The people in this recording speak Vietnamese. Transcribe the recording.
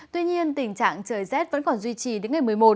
tuy nhiên tình trạng trời rét vẫn còn duy trì đến ngày một mươi một